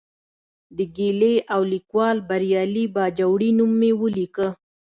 د ګیلې او لیکوال بریالي باجوړي نوم مې ولیکه.